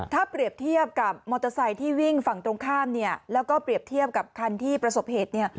ถ้าเปรียบเทียบกับมอเตอร์ไซค์ที่วิ่งฝั่งตรงข้ามแล้วก็เปรียบเทียบกับคันที่ประสบเหตุ